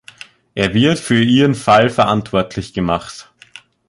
Er wird für ihren Fall verantwortlich gemacht.